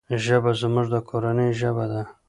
ژبه زموږ د کورنی ژبه ده.